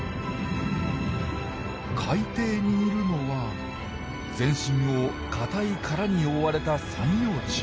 海底にいるのは全身を硬い殻に覆われた三葉虫。